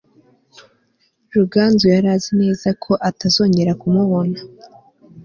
ruganzu yari azi neza ko atazongera kumubona